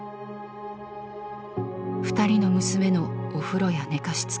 二人の娘のお風呂や寝かしつけ